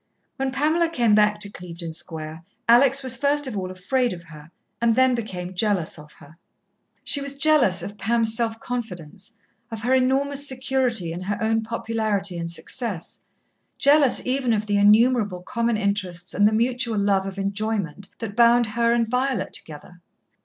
When Pamela came back to Clevedon Square, Alex was first of all afraid of her, and then became jealous of her. She was jealous of Pam's self confidence, of her enormous security in her own popularity and success, jealous even of the innumerable common interests and the mutual love of enjoyment that bound her and Violet together.